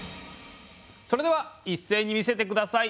それではいっせいに見せてください。